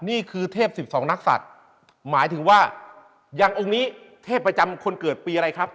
เทพ๑๒นักศัตริย์หมายถึงว่าอย่างองค์นี้เทพประจำคนเกิดปีอะไรครับ